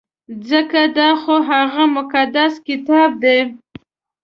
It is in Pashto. ځکه دا خو هغه مقدس کتاب دی.